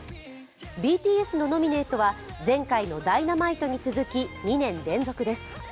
ＢＴＳのノミネートは前回の「Ｄｙｎａｍｉｔｅ」に続き２年連続です。